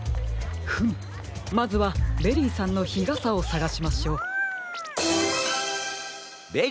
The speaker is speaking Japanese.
フムまずはベリーさんの日がさをさがしましょう。